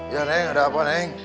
ya neng ada apa neng